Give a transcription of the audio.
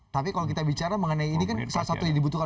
tapi kalau kita bicara mengenai ini kan salah satu yang dibutuhkan